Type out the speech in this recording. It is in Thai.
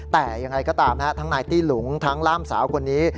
แต่ยังไงก็ตามทั้งนายตี้หลุงทั้งล่ามสาวคนนี้